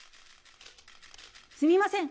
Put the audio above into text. すみません。